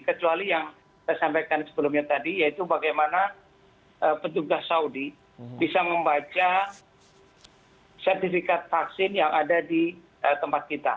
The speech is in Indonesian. kecuali yang saya sampaikan sebelumnya tadi yaitu bagaimana petugas saudi bisa membaca sertifikat vaksin yang ada di tempat kita